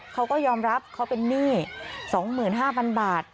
เขาก็ยอมรับเขาเป็นหนี้๒๕๐๐๐บาท